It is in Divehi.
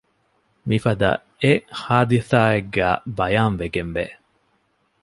މިފަދަ އެއް ޙާދިޘާއެއްގައި ބަޔާންވެގެންވެ